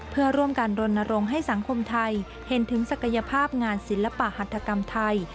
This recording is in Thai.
เพื่อร่วมกันรณรงค์ให้สังคมไทยเห็นถึงศักยภาพงานศิลปหัฐกรรมไทย